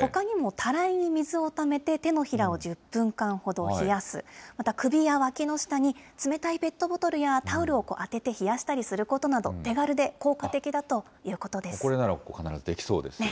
ほかにもたらいに水をためて、手のひらを１０分間ほど冷やす、また首やわきの下に冷たいペットボトルやタオルを当てて冷やしたりすることなど、手軽で効果的だとこれなら必ずできそうですよ